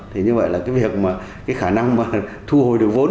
thì như vậy là cái việc mà cái khả năng mà thu hồi được vốn